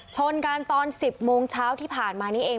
ชนกันตอน๑๐โมงเช้าที่ผ่านมานี้เอง